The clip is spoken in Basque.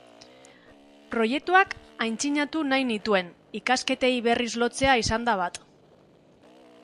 Proiektuak aitzinatu nahi nituen, ikasketei berriz lotzea izan da bat.